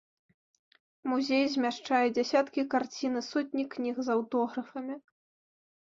Музей змяшчае дзясяткі карцін, і сотні кніг з аўтографамі.